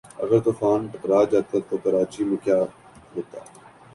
اگر طوفان ٹکرا جاتا تو کراچی میں کیا ہوتا